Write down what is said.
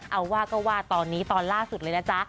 เอาว่าก็ว่าตอนนี้ตอนล่าสุดเลยนะจ๊ะ